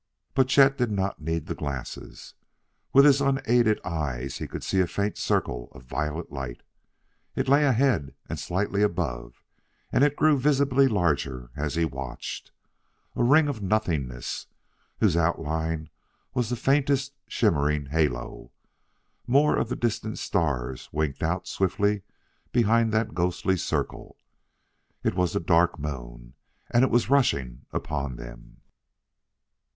But Chet did not need the glasses. With his unaided eyes he could see a faint circle of violet light. It lay ahead and slightly above, and it grew visibly larger as he watched. A ring of nothingness, whose outline was the faintest shimmering halo; more of the distant stars winked out swiftly behind that ghostly circle; it was the Dark Moon! and it was rushing upon them!